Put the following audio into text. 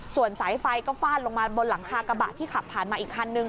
ส่วนสายไฟก็ฟาดลงมาบนหลังคากระบะที่ขับผ่านมาอีกคันนึง